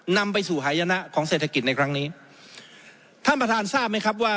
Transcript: นำไปสู่หายนะของเศรษฐกิจในครั้งนี้ท่านประธานทราบไหมครับว่า